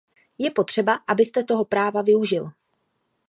Je potřeba, abyste toho práva využil.